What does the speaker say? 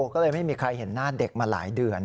ก็เลยไม่มีใครเห็นหน้าเด็กมาหลายเดือน